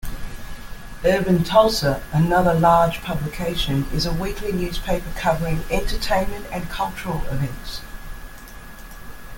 "Urban Tulsa", another large publication, is a weekly newspaper covering entertainment and cultural events.